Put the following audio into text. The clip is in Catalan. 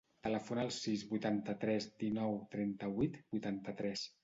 Telefona al sis, vuitanta-tres, dinou, trenta-vuit, vuitanta-tres.